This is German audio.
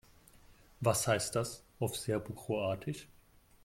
Was heißt das auf Serbokroatisch?